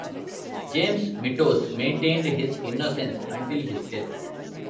James Mitose maintained his innocence until his death.